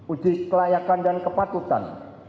uji kelayakan dan kepatutan